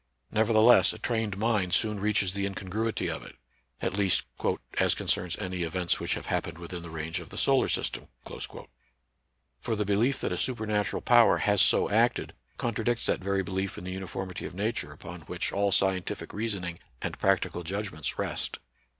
Nevertheless a trained mind soon reaches the incongruity of it, at least " as concerns any events which have happened within the range of the solar system." For the belief that a supernatural power has so acted contradicts that very belief in the uniformity of Nature upon which all scientific reasoning and practical judg ments rest.